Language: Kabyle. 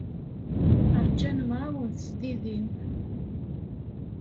Ṛjan mraw n tesdidin.